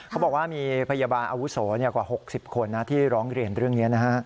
เขาบอกว่ามีพยาบาลอาวุโสกว่า๖๐คนที่ร้องเรียนเรื่องนี้นะฮะ